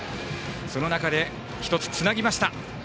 その中で１つ、つなぎました。